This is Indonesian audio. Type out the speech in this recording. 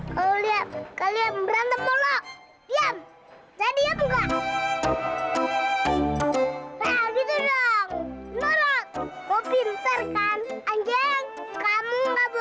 kalau lihat kalian berantem mulu